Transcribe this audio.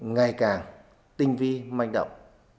ngày càng tinh vi manh động